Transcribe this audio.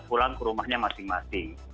pulang ke rumahnya masing masing